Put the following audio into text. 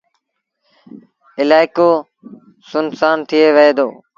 الآئيڪو سُن سآݩ ٿئي وهي دو۔